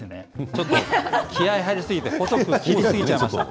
ちょっと気合い入りすぎて細く切りすぎちゃいました。